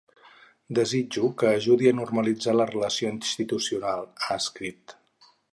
Desitjo que ajudi a normalitzar la relació institucional, ha escrit.